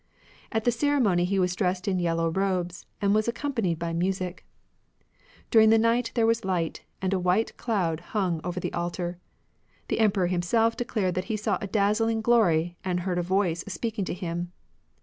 At the ceremony he was dressed in yellow robes, and was accom panied by music. During the night there was light, and a white cloud hung over the altar. The Emperor himself declared that he saw a dazzling glory, and heard a voice speaking to him.